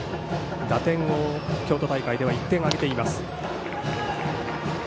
打点を京都大会では１点挙げています。